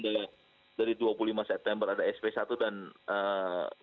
dari dua puluh lima september ada sp satu dan eee